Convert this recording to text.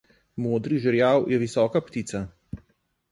Modri žerjav je visoka ptica.